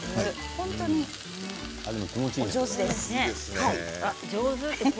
本当にお上手です。